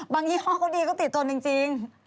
บางยี่ห้อก็ดีก็ติดทนจริง